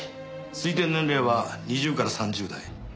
推定年齢は２０から３０代。